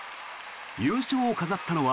優勝を飾ったのは。